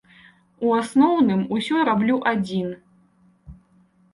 У асноўным ўсё раблю адзін.